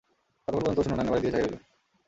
কতক্ষণ পর্যন্ত শূন্য নয়নে বাড়ির দিকে চাহিয়া রহিল।